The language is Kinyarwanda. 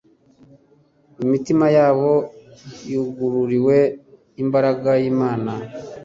imitima yabo yugururiwe imbaraga y'Imana,